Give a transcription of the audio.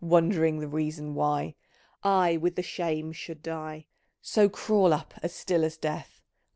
Wondering the reason why ? I with the shame should die I So crawl up as still as death.